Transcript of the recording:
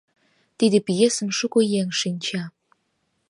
Тиде пьесым шуко еҥ шинча.